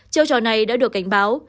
trêu trò này đã được cảnh báo